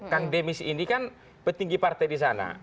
kang demis ini kan petinggi partai disana